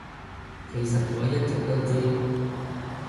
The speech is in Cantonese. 其實我一直都知